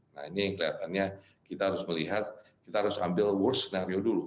nah ini yang kelihatannya kita harus melihat kita harus ambil worst scenario dulu